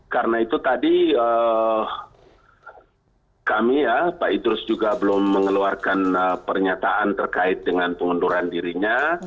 karena itu tadi kami ya pak idrus juga belum mengeluarkan pernyataan terkait dengan pengunduran dirinya